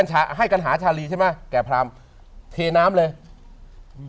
ให้กันหาชาลีใช่ไหมแก่พรามเทน้ำเลยอืม